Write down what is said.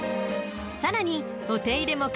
［さらにお手入れも簡単！］